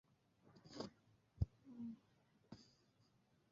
তারা বিমানটিকে "green monster" নামে ডাকত।